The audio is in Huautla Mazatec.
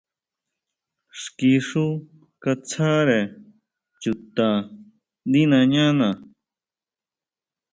Xki xú katsáre chuta ndí nañana.